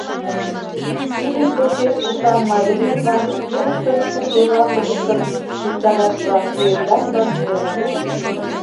Тидын почеш ушан мариймытлан шкеныштын сурт-озанлыкыштым виктарашлан, уэмдашлан эрык лиеш.